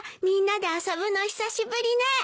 みんなで遊ぶの久しぶりね。